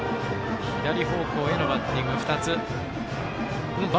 左方向へのバッティング２つ。